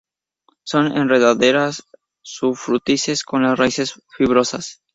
Son enredaderas sufrutices, con las raíces fibrosas.